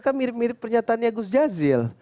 kan mirip mirip pernyataannya gus jazil